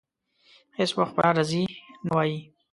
هېڅ وخت په لاره ځي نه وايي.